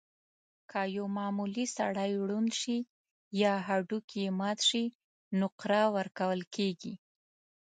که یو معمولي سړی ړوند شي یا هډوکی یې مات شي، نقره ورکول کېږي.